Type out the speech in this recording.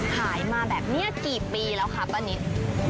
ขายมาแบบนี้กี่ปีแล้วคะป้านิต